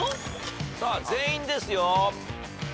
さあ全員ですよ。